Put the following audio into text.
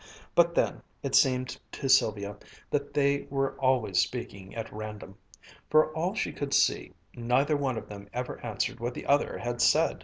But then, it seemed to Sylvia that they were always speaking at random. For all she could see, neither of them ever answered what the other had said.